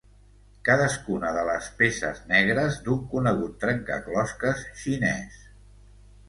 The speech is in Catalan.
Cadascuna de les peces negres d'un conegut trencaclosques xinès.